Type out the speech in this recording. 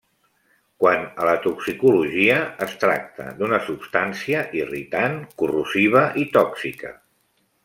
Quant a la toxicologia es tracta d'una substància irritant, corrosiva i tòxica.